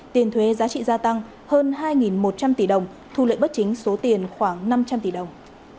tiền thuế giá trị gia tăng hơn hai một trăm linh tỷ đồng thu lợi bất chính số tiền khoảng năm trăm linh tỷ đồng